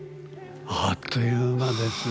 あっという間ですね。